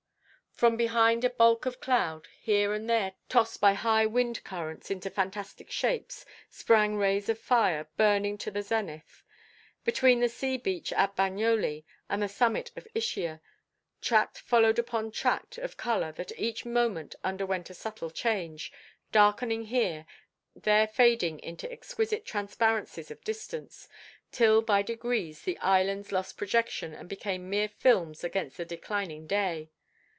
From behind a bulk of cloud, here and there tossed by high wind currents into fantastic shapes, sprang rays of fire, burning to the zenith. Between the sea beach at Bagnoli and the summit of Ischia, tract followed upon tract of colour that each moment underwent a subtle change, darkening here, there fading into exquisite transparencies of distance, till by degrees the islands lost projection and became mere films against the declining day.